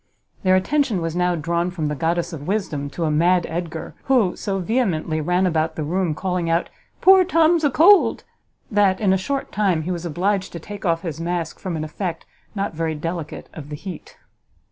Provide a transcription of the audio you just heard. Their attention was now drawn from the goddess of wisdom to a mad Edgar, who so vehemently ran about the room calling out "Poor Tom's a cold!" that, in a short time, he was obliged to take off his mask, from an effect, not very delicate, of the heat!